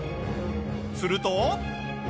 すると。